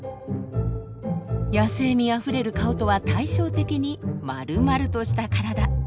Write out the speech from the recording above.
野性味あふれる顔とは対照的にまるまるとした体。